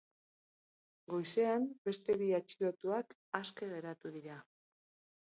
Goizean beste bi atxilotuak aske geratu dira.